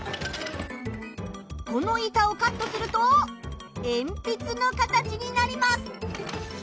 この板をカットするとえんぴつの形になります！